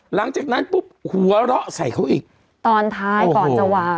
หลังจากนั้นปุ๊บหัวเราะใส่เขาอีกตอนท้ายก่อนจะวาง